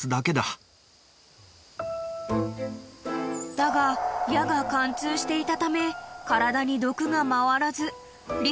［だが矢が貫通していたため体に毒が回らず］